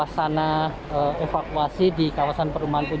sepahak di rumah